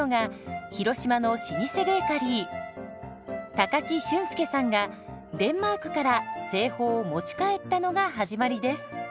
高木俊介さんがデンマークから製法を持ち帰ったのが始まりです。